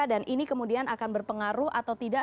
dan ini kemudian akan berpengaruh atau tidak